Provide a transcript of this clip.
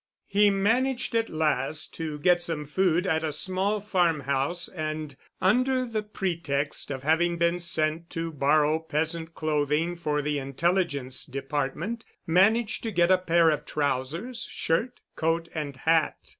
He managed at last to get some food at a small farm house and under the pretext of having been sent to borrow peasant clothing for the Intelligence department, managed to get a pair of trousers, shirt, coat and hat.